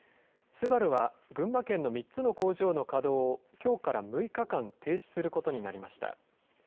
ＳＵＢＡＲＵは、群馬県の３つの工場の稼働を、きょうから６日間、停止することになりました。